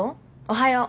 おはよう。